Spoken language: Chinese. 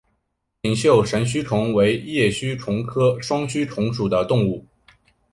锦绣神须虫为叶须虫科双须虫属的动物。